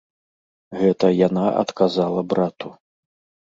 Гэта яна адказала брату.